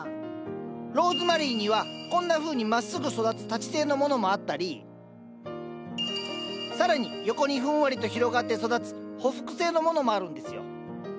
ローズマリーにはこんなふうにまっすぐ育つ立ち性のものもあったり更に横にふんわりと広がって育つほふく性のものもあるんですよ。